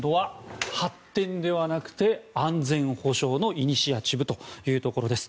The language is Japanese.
発展ではなくて安全保障のイニシアチブというところです。